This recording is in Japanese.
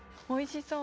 おいしい。